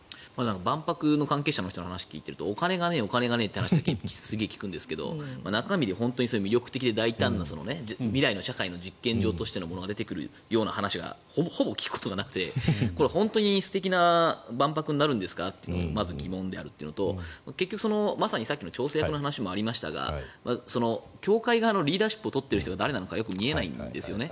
万博の関係者の人の話を聞いているとお金がないという話だけすごい聞くんですが中身で本当に魅力的で大胆な未来の社会の実験場としてものが出てくる話がほぼ聞くことがなくて本当に素敵な万博になるんですかっていうのがまず疑問であるのと結局まさにさっきの調整の話もありましたが協会側のリーダーシップを取っている人が誰なのかよく見えないんですよね。